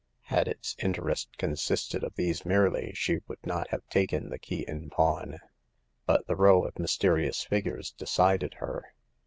Had its in terest consisted of these merely, she would not have taken the key in pawn. But the row of mysterious figures decided her.